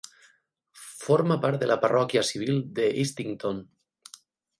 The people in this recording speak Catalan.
Forma part de la parròquia civil de Eastington.